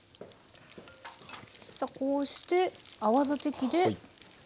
さあこうして泡立て器で。